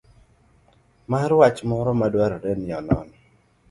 mar wach moro madwarore nionon.